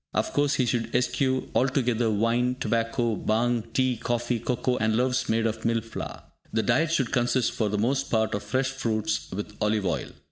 Of course, he should eschew altogether wine, tobacco, bhang, tea, coffee, cocoa, and loaves made of "mill flour." The diet should consist for the most part of fresh fruits with olive oil.